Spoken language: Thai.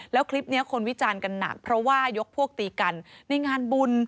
แล้วคลิปนี้คนวิจารณ์กันหนักเพราะว่ายกพวกตีกันในงานบุญ